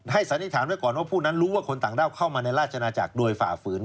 สันนิษฐานไว้ก่อนว่าผู้นั้นรู้ว่าคนต่างด้าวเข้ามาในราชนาจักรโดยฝ่าฝืน